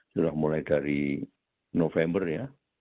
sudah mulai dari november ya